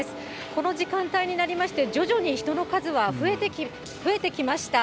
この時間帯になりまして、徐々に人の数は増えてきました。